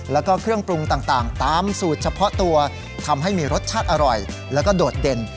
แล้วก็เครื่องปรุงต่างตามสูตรเฉพาะตัวทำให้มีรสชาติอร่อยแล้วก็โดดเด่น